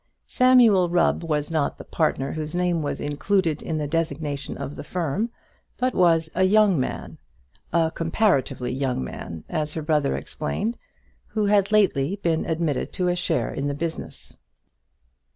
Samuel Rubb was not the partner whose name was included in the designation of the firm, but was a young man, "a comparatively young man," as her brother explained, who had lately been admitted to a share in the business.